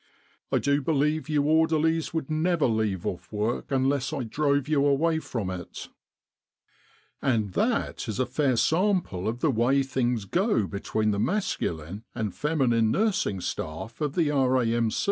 I do believe you orderlies would never leave off work unless I drove you away from it !'" And that is a fair sample of the way things go between the masculine and feminine nursing staff of the R.A.M.